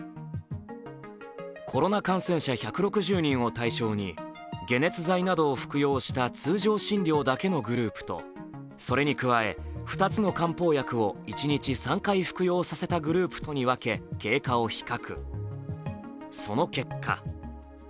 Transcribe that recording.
コロナ感染者１６０人を対象に解熱剤などを服用した通常診療だけのグループとそれに加え２つの漢方薬を一日３回服用させたグループとに分け、経過を比較。